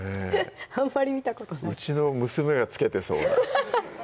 あんまり見たことないうちの娘がつけてそうな